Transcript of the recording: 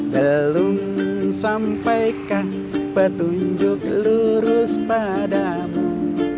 belum sampaikan petunjuk lurus padamu